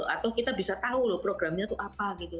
atau kita bisa tahu loh programnya itu apa gitu